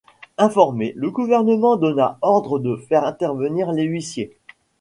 Informé, le gouvernement donna ordre de faire intervenir les huissiers.